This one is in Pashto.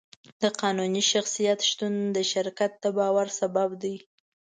د قانوني شخصیت شتون د شرکت د باور سبب دی.